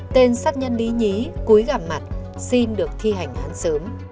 tên sát nhân lý nhí cúi gặm mặt xin được thi hành án sớm